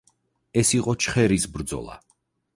ეს იყო ჩხერის ბრძოლა.